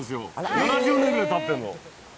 ７０年ぐらいたってんの。